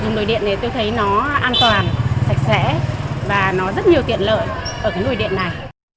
dùng nồi điện thì tôi thấy nó an toàn sạch sẽ và nó rất nhiều tiện lợi ở cái nồi điện này